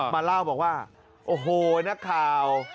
มาเล่าบอกว่าโอ้โหนักข่าว